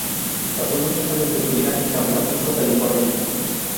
Pasó muchos años de su vida en San Francisco, California.